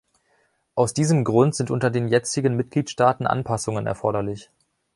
Aus diesem Grund sind unter den jetzigen Mitgliedstaaten Anpassungen erforderlich.